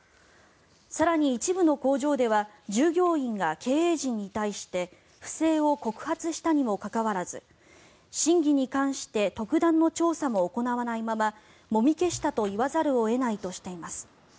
更に、一部の工場では従業員が経営陣に対して不正を告発したにもかかわらず真偽に関して特段の調査も行わないままもみ消したと言わざるを得ないとしています。